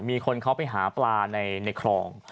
มีคนเขาไปหาปลาในคลอง